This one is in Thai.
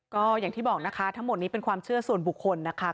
ก็อย่างที่บอกนะคะทั้งหมดนี้เป็นความเชื่อส่วนบุคคลนะคะ